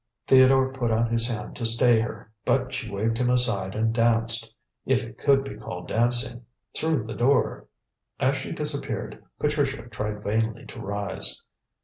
Theodore put out his hand to stay her, but she waved him aside and danced if it could be called dancing through the door. As she disappeared, Patricia tried vainly to rise.